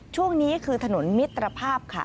ช่วงนี้คือถนนมิตรภาพค่ะ